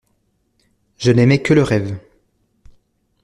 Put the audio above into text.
Je n'aimai que le rêve.